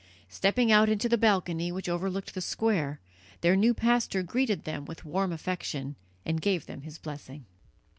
Stepping out into the balcony which overlooked the square, their new pastor greeted them with warm affection and gave them his blessing.